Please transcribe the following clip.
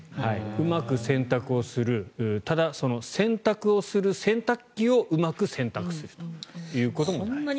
うまく洗濯をするただ、洗濯する洗濯機をうまく洗濯するということも大事。